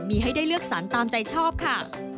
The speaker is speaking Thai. มีให้ได้เลือกสรรตามใจชอบค่ะ